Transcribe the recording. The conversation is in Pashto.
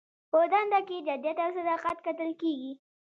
په دنده کې جدیت او صداقت کتل کیږي.